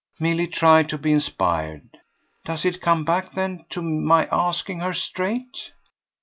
Milly tried to be inspired. "Does it come back then to my asking her straight?"